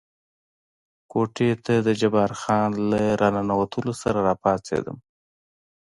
کوټې ته د جبار خان له را ننوتلو سره را پاڅېدم.